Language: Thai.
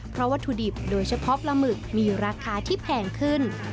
เพราะวัตถุดิบโดยเฉพาะปลาหมึกมีราคาที่แพงขึ้น